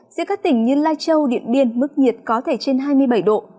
giữa các tỉnh như lai châu điện biên mức nhiệt có thể trên hai mươi bảy độ